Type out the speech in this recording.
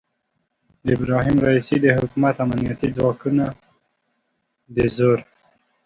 د ابراهیم رئیسي د حکومت امنیتي ځواکونو د زور